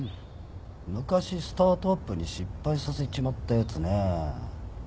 昔スタートアップに失敗させちまったやつねぇ。